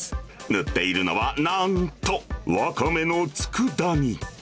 塗っているのは、なんとワカメのつくだ煮。